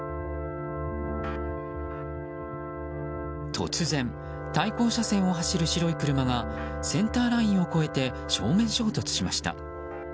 突然、対向車線を走る白い車がセンターラインを越えて正面衝突しました。